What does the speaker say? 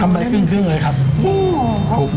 คำไรครึ่งเลยครับจริงเหรอ